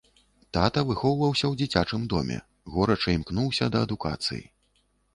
Тата выхоўваўся ў дзіцячым доме, горача імкнуўся да адукацыі.